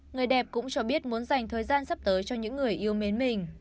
người đẹp cũng cho biết muốn dành thời gian sắp tới cho những người yêu mến mình